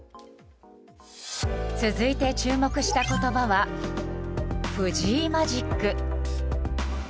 続いて、注目した言葉は藤井マジック。